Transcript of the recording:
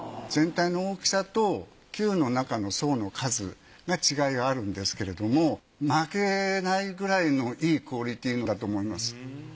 全体の大きさと球の中の層の数が違いはあるんですけれども負けないくらいのいいクオリティーだと思います。